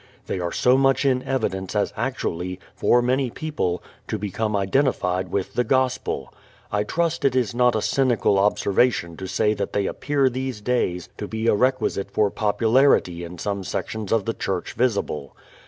They are so much in evidence as actually, for many people, to become identified with the gospel. I trust it is not a cynical observation to say that they appear these days to be a requisite for popularity in some sections of the Church visible.